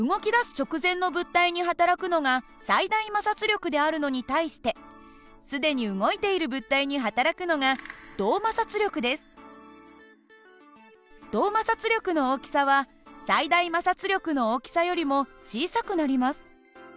直前の物体にはたらくのが最大摩擦力であるのに対して既に動いている物体にはたらくのが動摩擦力の大きさは最大摩擦力の大きさよりも小さくなります。